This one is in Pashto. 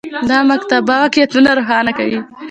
دا مکاتبه واقعیتونه روښانه کوي.